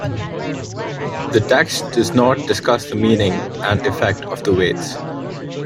The text does not discuss the meaning and effect of the weights.